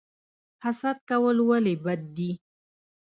حسد کول ولې بد دي؟